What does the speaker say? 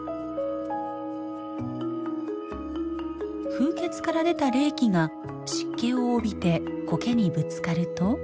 風穴から出た冷気が湿気を帯びてコケにぶつかると。